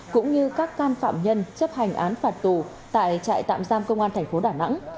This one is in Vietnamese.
cũng như các can phạm nhân chấp hành án phạt tù tại trại tạm giam công an tp đà nẵng